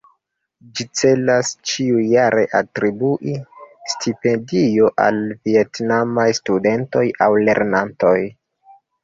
Ĝi celas ĉiujare atribui stipendion al vjetnamaj studentoj aŭ lernantoj.